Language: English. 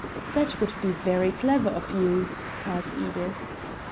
"That would be very clever of you," purred Edith.